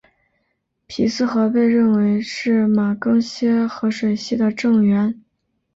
皮斯河被认为是马更些河水系的正源。